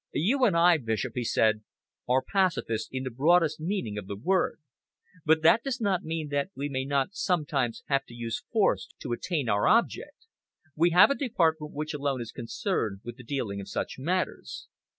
"You and I, Bishop," he said, "are pacifists in the broadest meaning of the word, but that does not mean that we may not sometimes have to use force to attain our object. We have a department which alone is concerned with the dealing of such matters.